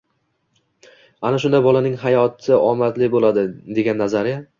ana shunda bolaning hayoti omadli bo‘ladi”, degan nazariya